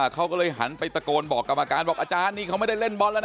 เขาก็เลยหันไปตะโกนบอกกรรมการบอกอาจารย์นี่เขาไม่ได้เล่นบอลแล้วนะ